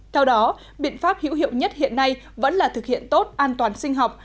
theo đó biện pháp hữu hiệu nhất hiện nay vẫn là thực hiện tốt an toàn sinh học